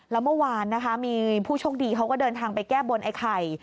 แล้วเมื่อวานนะคะมีผู้โชคดีเขาก็เดินทางไปแก้บนไอ้ไข่